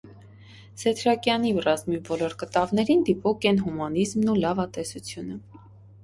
Սեդրակյանի ռազմի բոլոր կտավներին դիպուկ են հումանիզմն ու լավատեսությունը։